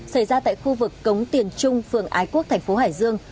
xảy ra tại khu vực cống tiền trung phường ái quốc thành phố hải dương